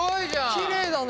きれいだね。